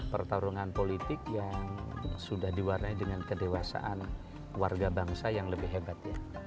pertarungan politik yang sudah diwarnai dengan kedewasaan warga bangsa yang lebih hebat